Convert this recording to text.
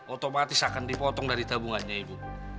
otomatis akan dipotong dari tabungannya ibu